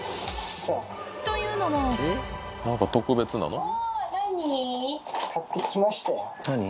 というのもおぉ何？